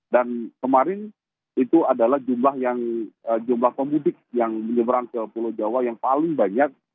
dan kemarin itu adalah jumlah komudik yang menyeberang ke pulau jawa yang paling banyak